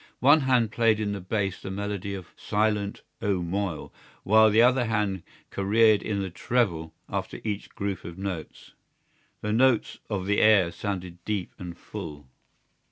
One hand played in the bass the melody of Silent, O Moyle, while the other hand careered in the treble after each group of notes. The notes of the air sounded deep and full.